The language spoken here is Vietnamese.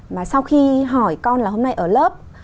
mà sau khi hỏi con là hôm nay ở lớp